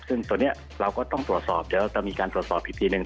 ซึ่งตัวนี้เราก็ต้องตรวจสอบเดี๋ยวเราจะมีการตรวจสอบอีกทีหนึ่ง